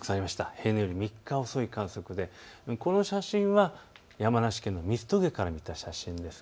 平年より３日遅い観測でこの写真は山梨県の三ツ峠から見た写真です。